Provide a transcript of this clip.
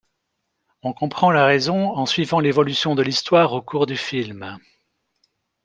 On comprend la raison en suivant l'évolution de l'histoire au cours du film.